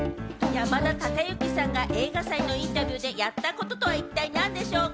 山田孝之さんが映画祭のインタビューでやったこととは一体なんでしょうか？